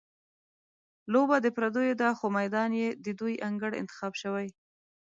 لوبه د پردیو ده، خو میدان یې د دوی انګړ انتخاب شوی.